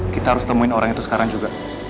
kita harus temuin orang itu sekarang juga